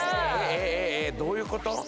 えどういうこと？